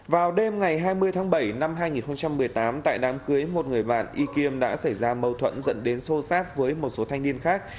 vào đêm ngày hai mươi tháng bảy năm hai nghìn một mươi tám tại đám cưới một người bạn y kiêm đã xảy ra mâu thuẫn dẫn đến xô sát với một số thanh niên khác